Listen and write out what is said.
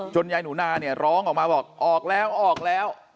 ยายหนูนาเนี่ยร้องออกมาบอกออกแล้วออกแล้ว